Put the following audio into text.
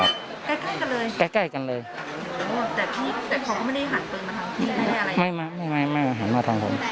ยกปืนยิงทิศป้าตาเลย